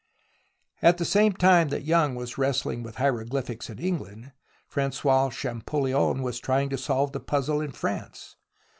At the same time that Young was wrestling with hieroglyphics in England, Fran9ois Champollion was trying to solve the puzzle in France.